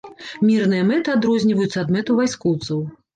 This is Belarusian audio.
Мірныя мэты адрозніваюцца ад мэтаў вайскоўцаў.